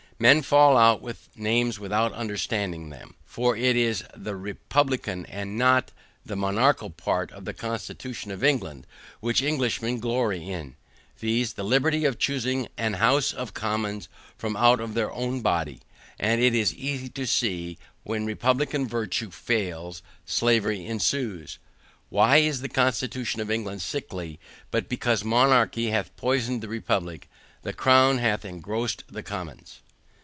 Men fall out with names without understanding them. For it is the republican and not the monarchical part of the constitution of England which Englishmen glory in, viz. the liberty of choosing an house of commons from out of their own body and it is easy to see that when republican virtue fails, slavery ensues. Why is the constitution of England sickly, but because monarchy hath poisoned the republic, the crown hath engrossed the commons?